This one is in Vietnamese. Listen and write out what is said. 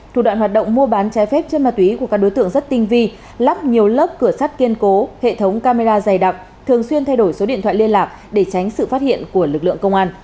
thủ đoạn hoạt động mua bán trái phép chân ma túy của các đối tượng rất tinh vi lắp nhiều lớp cửa sắt kiên cố hệ thống camera dày đặc thường xuyên thay đổi số điện thoại liên lạc để tránh sự phát hiện của lực lượng công an